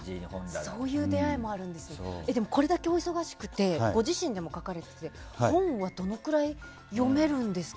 でも、これだけお忙しくてご自身でも書かれていて本はどのくらい読めるんですか？